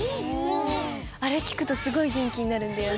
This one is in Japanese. あれきくとすごいげんきになるんだよね。